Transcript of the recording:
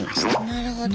なるほど。